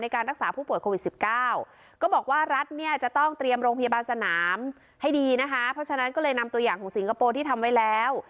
ก็บอกว่ารัฐจะต้องเตรียมโรงพยาบาลสนามให้ดีนะคะเพราะฉะนั้นก็เลยนำตัวอย่างของสิงคโปร์ที่ทำไว้แล้ว